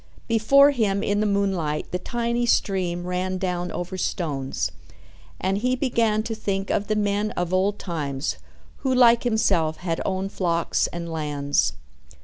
Before him in the moonlight the tiny stream ran down over stones, and he began to think of the men of old times who like himself had owned flocks and lands.